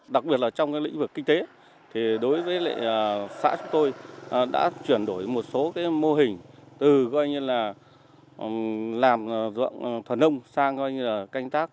đặc biệt là trong lĩnh vực kinh tế đối với lệ xã chúng tôi đã chuyển đổi một số mô hình từ làm dọn thuần nông sang canh tác